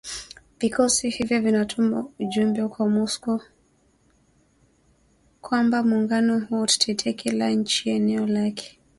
Vikosi hivyo vinatuma ujumbe kwa Moscow kwamba muungano huo utatetea kila nchi ya eneo lake